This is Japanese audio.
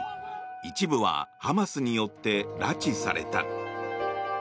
一部はハマスによって拉致された。